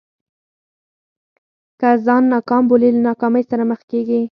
که ځان ناکام بولې له ناکامۍ سره مخ کېږې.